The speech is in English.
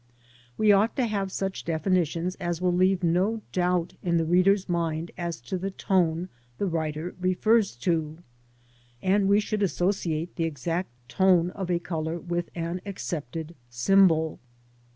We ought to have such defini tions as will leave no doubt in the ^reader's mind as to the tone the writer refers to; and we should associate the exact tone of a colour with an accepted symbol.